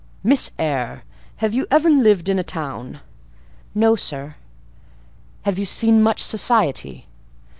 "Miss Eyre, have you ever lived in a town?" "No, sir." "Have you seen much society?"